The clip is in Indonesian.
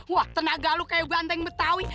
wah tenaga lu kayak ganteng betawi